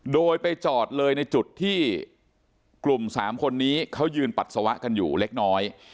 โดยไปจอดเลยในจุดที่กลุ่ม๓คนนี้เขายืนปัสสาวะกันอยู่เล็กน้อย